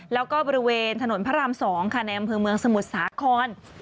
แล้วก็บริเวณถนนพระราม๒ค่ะในอำเภอเมืองสมุทรสาคร